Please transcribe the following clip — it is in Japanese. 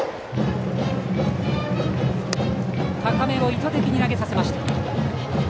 高めを意図的に投げさせました。